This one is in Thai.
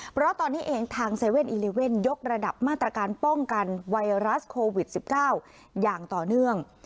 เพราะตอนนี้เองทาง๗๑๑ยกระดับมาตรการป้องกันไวรัสโควิด๑๙อย่างต่อเนื่อง